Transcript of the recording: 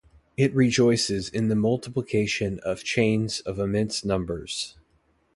It rejoices in the multiplication of chains of immense numbers.